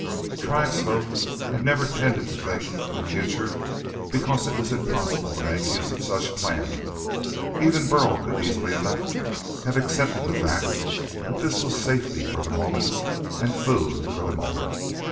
The tribesfolk had never tended to think for the future because it was impossible to make use of such planning. Even Burl could easily enough have accepted the fact that this was safety for the moment and food for the moment.